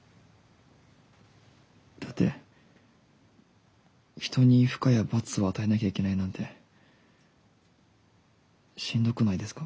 だって人に負荷や罰を与えなきゃいけないなんてしんどくないですか？